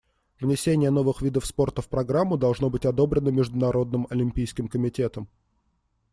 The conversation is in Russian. Внесение новых видов спорта в программу должно быть одобрено Международным олимпийским комитетом.